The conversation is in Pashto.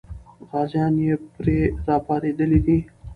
غازیان یې پرې راپارېدلي دي.